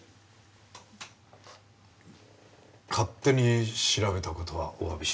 勝手に調べた事はおわびします。